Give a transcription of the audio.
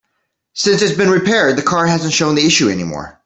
Since it's been repaired, the car hasn't shown the issue any more.